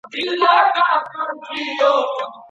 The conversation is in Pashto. او چې اسمان کې وريځې نهوي نو د لمر وړانګې به